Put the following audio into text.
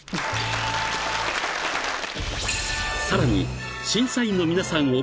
［さらに審査員の皆さん